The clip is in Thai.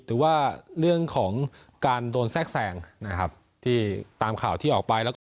หรือว่าเรื่องของการโดนแทรกแสงนะครับที่ตามข่าวที่ออกไปแล้วก็